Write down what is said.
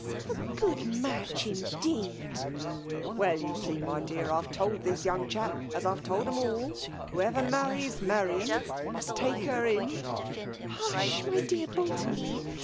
' A good match, indeed !"'• "Why you see, tiiy dear, IVe told this you'n^ chap, as IVe told 'em all, whoever marries Ma rian must take her in "" Hush ! my dear Baltimore